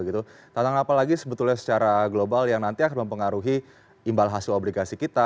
tantangan apa lagi sebetulnya secara global yang nanti akan mempengaruhi imbal hasil obligasi kita